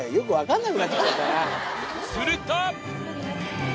［すると！］